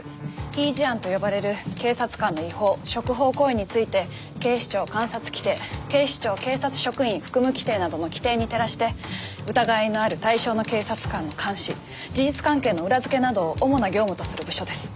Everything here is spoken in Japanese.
非違事案と呼ばれる警察官の違法触法行為について警視庁監察規程警視庁警察職員服務規程などの規程に照らして疑いのある対象の警察官の監視事実関係の裏付けなどを主な業務とする部署です。